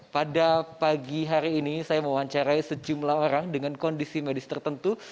pada pagi hari ini saya mewawancarai sejumlah orang dengan kondisi medis tertentu